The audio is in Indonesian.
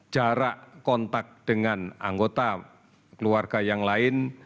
jarak kontak dengan anggota keluarga yang lain